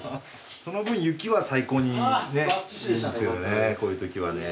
その分雪は最高にねいいですよね。